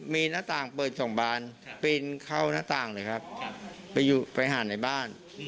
มีหน้าต่างเปิดสองบานปีนเข้าหน้าต่างเลยครับไปหาในบ้าน